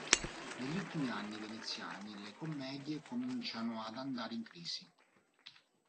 Negli ultimi anni veneziani, le commedie cominciano ad andare in crisi.